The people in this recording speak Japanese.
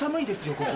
ここ。